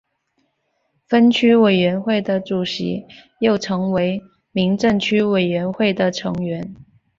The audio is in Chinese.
分区委员会的主席又成为民政区委员会的成员。